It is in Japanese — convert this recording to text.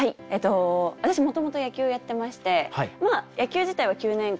私もともと野球やってまして野球自体は９年間。